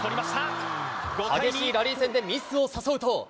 激しいラリー戦でミスを誘うと。